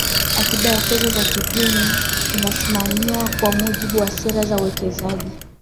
akiba ya fedha za kigeni inasimamiwa kwa mujibu wa sera za uwekezaji